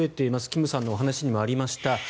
金さんのお話にもありました